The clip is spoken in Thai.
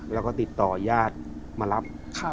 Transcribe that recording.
แล้วก็ติดต่อญาติมารับ